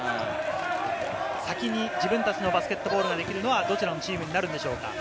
先に自分たちのバスケットボールができるのはどちらのチームになるんでしょうか。